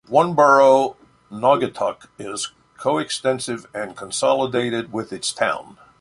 One borough, Naugatuck, is coextensive and consolidated with its town.